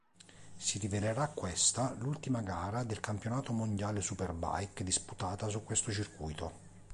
Si rivelerà questa l'ultima gara del campionato mondiale Superbike disputata su questo circuito.